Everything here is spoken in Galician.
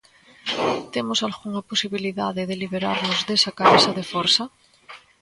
¿Temos algunha posibilidade de liberarnos desa camisa de forza?